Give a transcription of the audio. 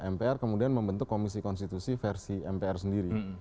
mpr kemudian membentuk komisi konstitusi versi mpr sendiri